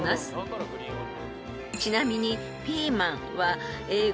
［ちなみに］